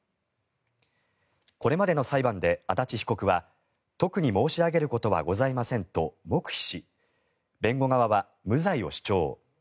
これまでの裁判で足立被告は特に申し上げることはございませんと黙秘し弁護側は無罪を主張。